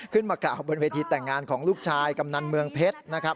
ขึ้นมากล่าวบนเวทีแต่งงานของลูกชายกำนันเมืองเพชรนะครับ